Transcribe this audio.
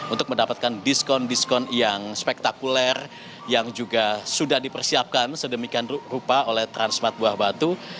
untuk mendapatkan diskon diskon yang spektakuler yang juga sudah dipersiapkan sedemikian rupa oleh transmart buah batu